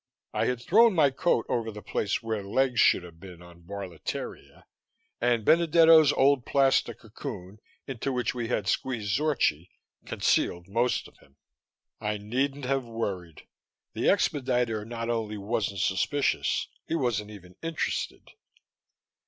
I had thrown my coat over the place where legs should have been on "Barletteria," and Benedetto's old plastic cocoon, into which we had squeezed Zorchi, concealed most of him. I needn't have worried. The expediter not only wasn't suspicious, he wasn't even interested.